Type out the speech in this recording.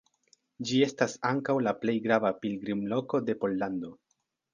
Ĝi estas ankaŭ la plej grava pilgrimloko de Pollando.